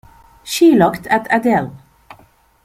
She looked at Adele.